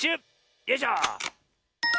よいしょ。